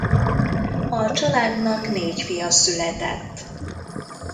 A családnak négy fia született.